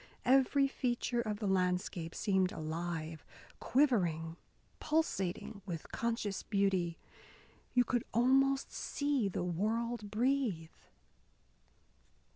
Every feature of the landscape seemed alive, quivering, pulsating with conscious beauty. You could almost see the world breathe.